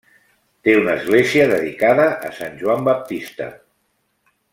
Té una església dedicada a Sant Joan Baptista.